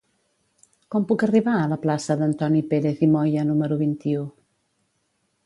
Com puc arribar a la plaça d'Antoni Pérez i Moya número vint-i-u?